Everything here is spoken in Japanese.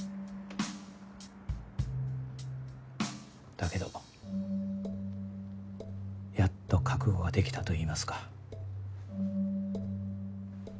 だけどやっと覚悟ができたといいますか。